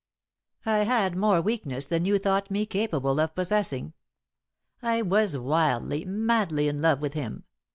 I had more weakness than you thought me capable of possessing. I was wildly madly in love with him.